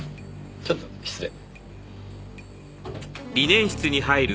ちょっと失礼。